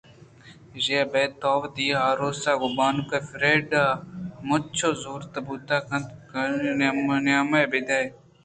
ایشیءَ ابید تو وتی آروس ءَ گوں بانک فریڈا ءَ ہمنچو زوت بوت کنت قانودی نامے بہ دئے